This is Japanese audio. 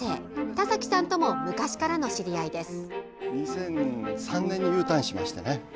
田崎さんとも昔からの知り合いです。